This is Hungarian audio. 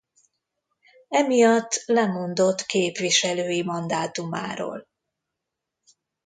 Emiatt lemondott képviselői mandátumáról.